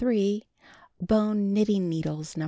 Bone knitting needles No.